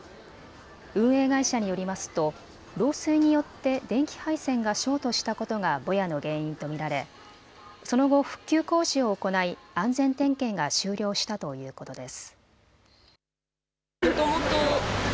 運営会社によりますと漏水によって電気配線がショートしたことがぼやの原因と見られその後、復旧工事を行い安全点検が終了したということです。